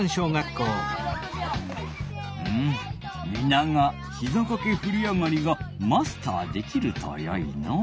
うんみながひざかけふりあがりがマスターできるとよいのう。